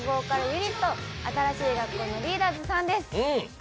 ユニット新しい学校のリーダーズさんです。